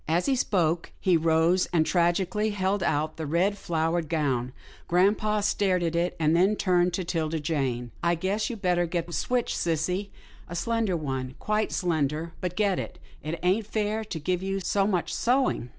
As he spoke, he rose, and tragically held out the red, flowered gown. Grampa stared at it, then he turned to 'Tilda Jane, " I guess you'd better get the switch, sissy — a slender one, quite slender, but get it — it ain't fair to give you so much sewing."